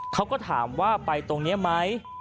เขาก็ถามว่าไปตรงนี้ไหม